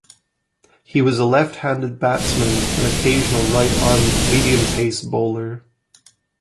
He was a left-handed batsman, and occasional right-arm medium-pace bowler.